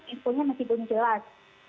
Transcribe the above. infonya masih belum jelas